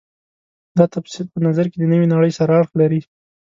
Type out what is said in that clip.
دا تفسیر په نظر کې د نوې نړۍ سره اړخ لري.